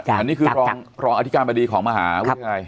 อันนี้คือรองอธิการบดีของมหาวิทยาลัย